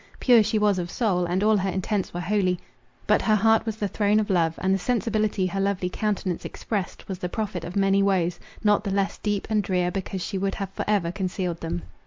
Pure she was of soul, and all her intents were holy. But her heart was the throne of love, and the sensibility her lovely countenance expressed, was the prophet of many woes, not the less deep and drear, because she would have for ever concealed them.